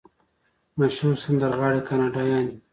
مشهور سندرغاړي کاناډایان دي.